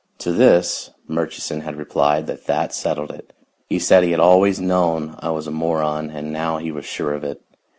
To this Murchison had replied that that settled it. He said he had always known I was a moron, and now he was sure of it.